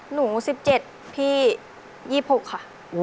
หนู๑๗พี่๒๖ค่ะ